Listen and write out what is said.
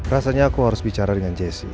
rasanya aku harus bicara dengan jessi